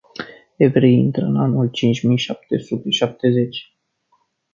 Evreii intră în anul cinci mii șapte sute șaptezeci.